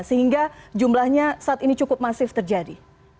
sehingga jumlahnya saat ini cukup masif terjadi